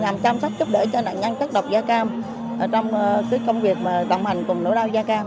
làm chăm sóc giúp đỡ cho nạn nhân chất độc da cam trong công việc đồng hành cùng nỗi đau da cam